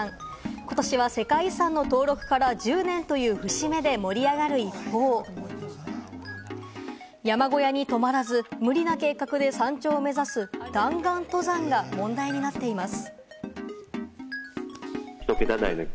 ことしは世界遺産の登録から１０年という節目で盛り上がる一方、山小屋に泊まらず、無理な計画で山頂を目指す弾丸登山が問題になっています。